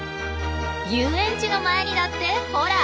遊園地の前にだってほら！